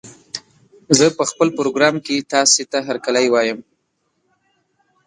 زه په خپل پروګرام کې تاسې ته هرکلی وايم